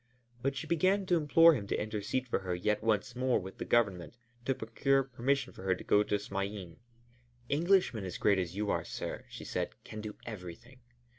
But she began to implore him to intercede for her yet once more with the Government, to procure permission for her to go to Smain. "Englishmen as great as you are, sir," she said, "can do everything.